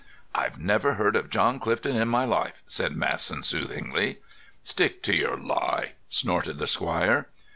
"I've never heard of John Clifton in my life," said Masson soothingly. "Stick to your lie," snorted the squire.